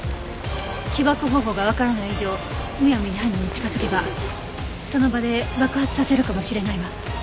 起爆方法がわからない以上むやみに犯人に近づけばその場で爆発させるかもしれないわ。